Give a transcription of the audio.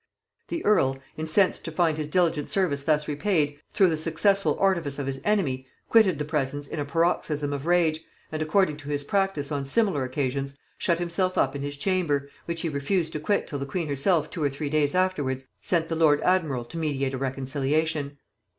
The earl, incensed to find his diligent service thus repaid, through the successful artifice of his enemy, quitted the presence in a paroxysm of rage, and, according to his practice on similar occasions, shut himself up in his chamber, which he refused to quit till the queen herself two or three days afterwards sent the lord admiral to mediate a reconciliation.